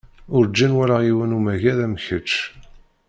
Urǧin walaɣ yiwen umagad am kečč.